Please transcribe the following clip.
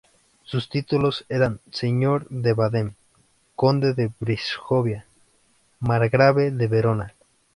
Sus títulos eran: Señor de Baden, Conde de Brisgovia, margrave de Verona.